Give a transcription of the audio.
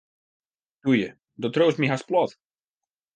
Toe ju, do triuwst my hast plat.